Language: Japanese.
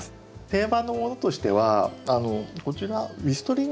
定番のものとしてはこちらウエストリンギア。